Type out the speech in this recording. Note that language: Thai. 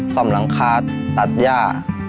ส่อมหลังคราตัดหญ้า